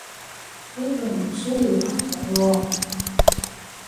呢度唔需要球僮喎